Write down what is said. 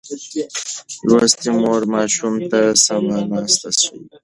لوستې مور ماشوم ته سمه ناسته ښيي.